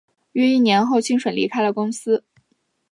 约一年后清水离开了公司。